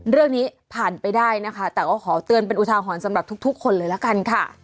เรื่องนี้ผ่านไปได้นะคะแต่ก็ขอเตือนเป็นอุทาหรณ์สำหรับทุกคนเลยละกันค่ะ